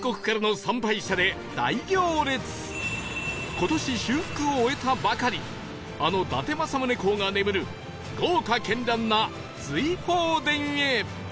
今今年修復を終えたばかりあの伊達政宗公が眠る豪華絢爛な瑞鳳殿へ